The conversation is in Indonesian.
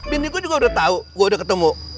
bini gue juga udah tahu gue udah ketemu